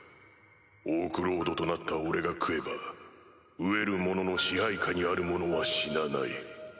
オークロードとなった俺が食えばウエルモノの支配下にある者は死なない。